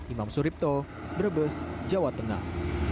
imam suripto brebes jawa tengah